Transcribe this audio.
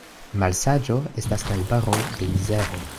Malsaĝo estas najbaro de mizero.